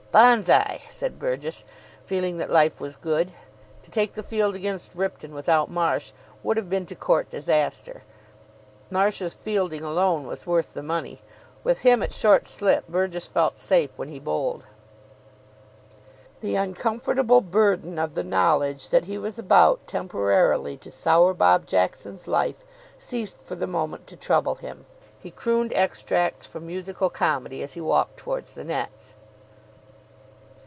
"Banzai!" said Burgess, feeling that life was good. To take the field against Ripton without Marsh would have been to court disaster. Marsh's fielding alone was worth the money. With him at short slip, Burgess felt safe when he bowled. The uncomfortable burden of the knowledge that he was about temporarily to sour Bob Jackson's life ceased for the moment to trouble him. He crooned extracts from musical comedy as he walked towards the nets.